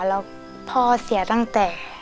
แล้วพ่อเสียตั้งแต่